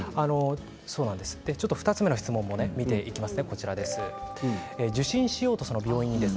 ２つ目の質問を見ていきます。